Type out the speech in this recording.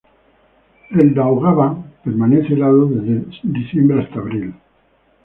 El Daugava permanece helado desde diciembre hasta abril.